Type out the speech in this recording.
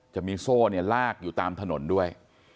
จะมีโซ่ลากอยู่ตามถนนด้วย